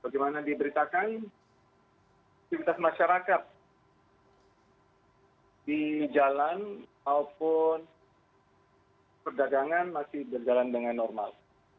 bagaimana diberitakan aktivitas masyarakat di jalan maupun perdagangan masih berjalan dengan normal